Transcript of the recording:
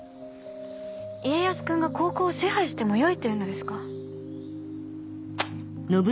家康君が高校を支配してもよいというのですか？